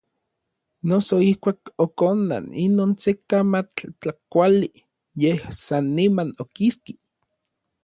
Noso ijkuak okonan inon se kamatl tlakuali, yej san niman okiski.